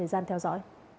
cơ sở hai